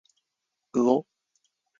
うお